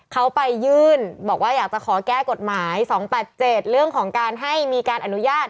เขาไปยื่นบอกว่าอยากจะขอแก้กฎหมาย๒๘๗เรื่องของการให้มีการอนุญาต